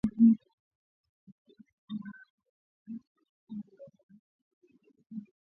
Ushirikiano kati ya Rwanda na Jamuhuri ya Kidemokrasia ya Kongo dhidi ya waasi